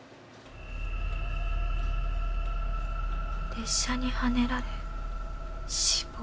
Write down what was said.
「列車にはねられ死亡」